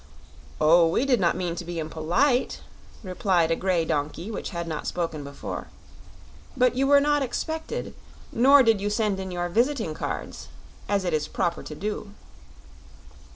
"Oh, we did not mean to be impolite," replied a grey donkey which had not spoken before. "But you were not expected, nor did you send in your visiting cards, as it is proper to do."